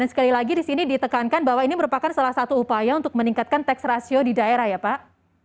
dan sekali lagi di sini ditekankan bahwa ini merupakan salah satu upaya untuk meningkatkan tax ratio di daerah ya pak